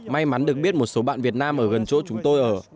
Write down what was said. may mắn được biết một số bạn việt nam ở gần chỗ chúng tôi ở